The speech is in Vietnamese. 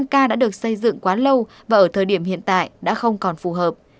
năm k đã được xây dựng quá lâu và ở thời điểm hiện tại đã không còn phù hợp